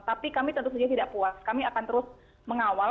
tapi kami tentu saja tidak puas kami akan terus mengawal